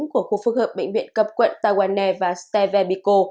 của khu phương hợp bệnh viện cấp quận tawane và stavebiko